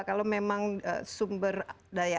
kalau memang sumber daya